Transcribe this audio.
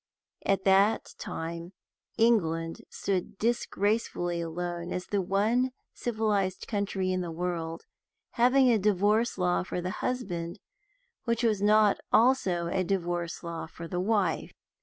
At that time England stood disgracefully alone as the one civilized country in the world having a divorce law for the husband which was not also a divorce law for the wife.